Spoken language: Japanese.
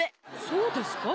そうですか？